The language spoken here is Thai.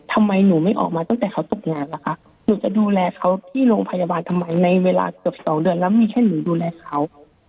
ทำไมหนูไม่ออกมาตั้งแต่เขาตกงานล่ะคะหนูจะดูแลเขาที่โรงพยาบาลทำไมในเวลาเกือบสองเดือนแล้วมีให้หนูดูแลเขา